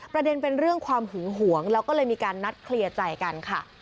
ประเด็นเป็นเรื่องความหึงหวงแล้วก็เลยมีการนัดเคลียร์ใจกันค่ะ